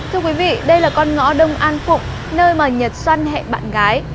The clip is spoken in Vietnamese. thưa quý vị đây là con ngõ đông an phụng nơi mà nhật xoăn hẹn bạn gái